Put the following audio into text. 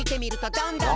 「どんどんと」